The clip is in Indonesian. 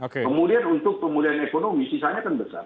kemudian untuk pemulihan ekonomi sisanya kan besar